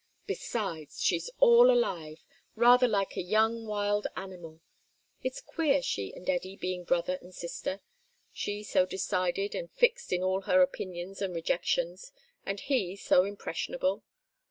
Besides, she's all alive; rather like a young wild animal. It's queer she and Eddy being brother and sister, she so decided and fixed in all her opinions and rejections, and he so impressionable.